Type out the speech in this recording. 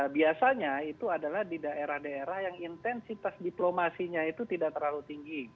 biasanya itu adalah di daerah daerah yang intensitas diplomasinya itu tidak terlalu tinggi